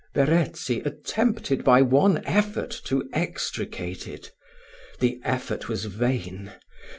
Verezzi attempted by one effort to extricate it. The effort was vain.